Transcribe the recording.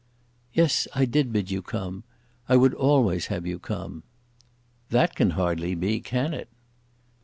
"Yes, I did bid you come. I would always have you come." "That can hardly be; can it?"